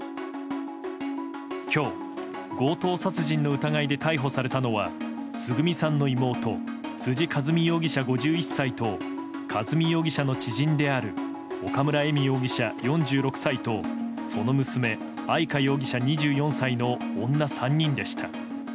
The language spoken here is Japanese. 今日、強盗殺人の疑いで逮捕されたのはつぐみさんの妹辻和美容疑者、５１歳と和美容疑者の知人である岡村恵美容疑者、４６歳とその娘・愛香容疑者、２４歳の女３人でした。